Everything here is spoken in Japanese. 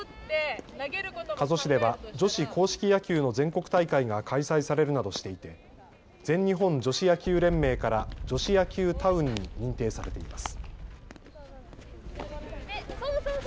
加須市では女子硬式野球の全国大会が開催されるなどしていて全日本女子野球連盟から女子野球タウンに認定されています。